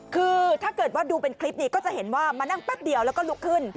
คือถ้าเกิดว่าดูเป็นคลิปนี้ก็จะเห็นว่ามานั่งแป๊บเดียวแล้วก็ลุกขึ้น